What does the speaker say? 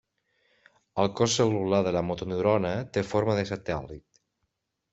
El cos cel·lular de la motoneurona té forma de satèl·lit.